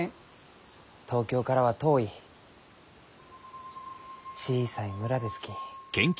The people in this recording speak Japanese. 東京からは遠い小さい村ですき。